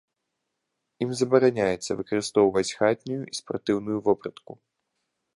Ім забараняецца выкарыстоўваць хатнюю і спартыўную вопратку.